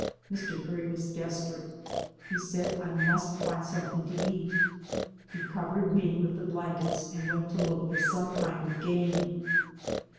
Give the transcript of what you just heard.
Mr. Curry was desperate. He said : 'I must find something to eat.' He covered me with the blankets and went to look for some kind of game.